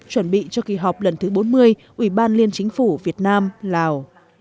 chuẩn bị cho kỳ họp lần thứ bốn mươi ủy ban liên chính phủ việt nam lào